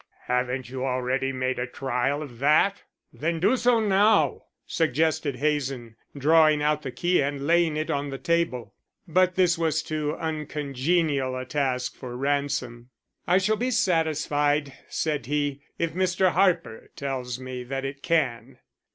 "Haven't you already made a trial of that? Then do so now," suggested Hazen, drawing out the key and laying it on the table. But this was too uncongenial a task for Ransom. "I shall be satisfied," said he, "if Mr. Harper tells me that it can."